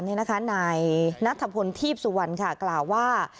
นายนัทพลทีพสุวรรณกล่าวว่า